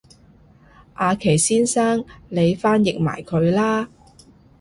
阿祁先生你翻譯埋佢啦